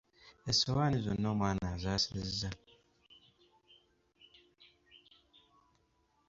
Essowaani zonna omwana azaasizza.